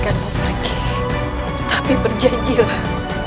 jangan pergi tapi berjanjilah